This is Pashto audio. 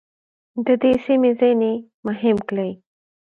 د دې سیمې ځینې مهم کلي